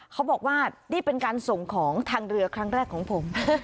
เขาบอกว่านี่เป็นการส่งของทางเรือครั้งแรกของผม